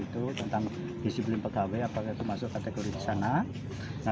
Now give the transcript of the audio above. tentang disiplin pegawai apakah itu masuk kategori di sana